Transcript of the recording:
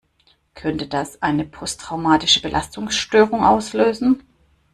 Könnte das eine posttraumatische Belastungsstörung auslösen?